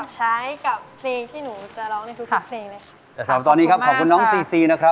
ก็จะเอาคำติชมนะคะคำแนะนำของกรรมการทุกเพลงเลยค่ะ